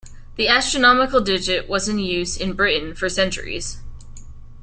The astronomical digit was in use in Britain for centuries.